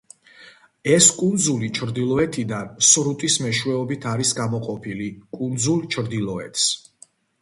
ეს კუნძული ჩრდილოეთიდან სრუტის მეშვეობით არის გამოყოფილი, კუნძულ ჩრდილოეთს.